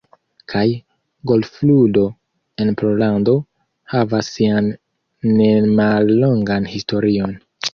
Kaj golfludo en Pollando havas sian nemallongan historion.